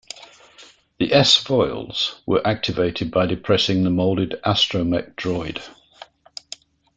The "s-foils" were activated by depressing the molded astromech droid.